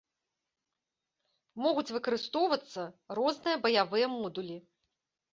Могуць выкарыстоўвацца розныя баявыя модулі.